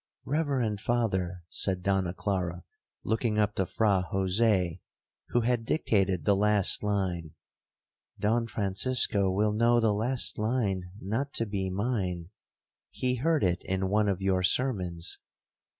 'Reverend Father,' said Donna Clara, looking up to Fra Jose, who had dictated the last line, 'Don Francisco will know the last line not to be mine—he heard it in one of your sermons.